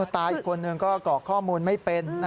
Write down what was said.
ตาอีกคนนึงก็เกาะข้อมูลไม่เป็น